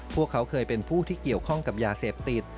พวกเขาเคยเป็นผู้ที่เกี่ยวข้องกับยาเสพติด